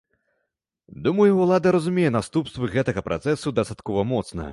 Думаю, ўлада разумее наступствы гэтага працэсу дастаткова моцна.